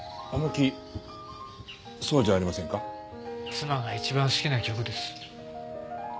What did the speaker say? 妻が一番好きな曲です。